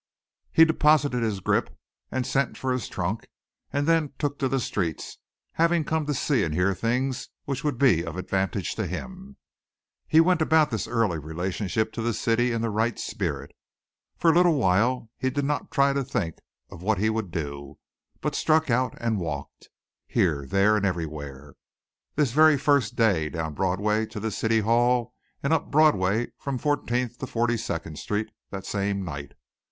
He deposited his grip and sent for his trunk and then took to the streets, having come to see and hear things which would be of advantage to him. He went about this early relationship to the city in the right spirit. For a little while he did not try to think what he would do, but struck out and walked, here, there and everywhere, this very first day down Broadway to the City Hall and up Broadway from 14th to 42nd street the same night.